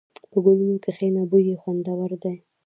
په ګلونو کښېنه، بوی یې خوندور دی.